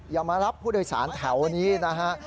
อย่ามารับผู้โดยสารแถวนี้นะฮะ